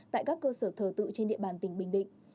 tại các cơ sở thờ tự trên địa bàn tỉnh bình định